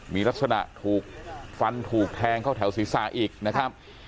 มีลักษณะฟันถูกแทงเข้าแถวศรีษะอีกนะฮะ